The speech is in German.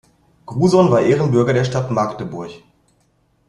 Gruson war Ehrenbürger der Stadt Magdeburg.